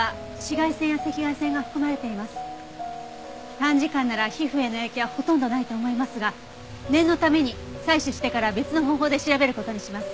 短時間なら皮膚への影響はほとんどないと思いますが念のために採取してから別の方法で調べる事にします。